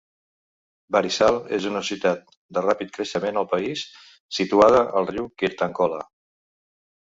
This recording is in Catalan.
Barisal és una ciutat de ràpid creixement al país, situada al riu Kirtankhola.